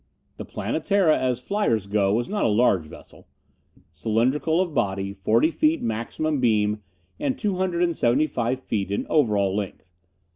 The Planetara, as flyers go, was not a large vessel. Cylindrical of body, forty feet maximum beam, and two hundred and seventy five feet in overall length.